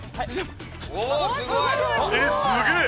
◆すごい。